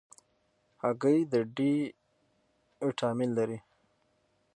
هګۍ د D ویټامین لري.